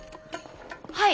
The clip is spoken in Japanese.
はい。